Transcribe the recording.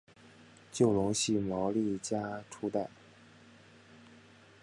就隆系毛利家初代。